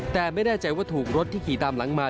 แต่ไม่แน่ใจว่าถูกรถที่ขี่ตามหลังมา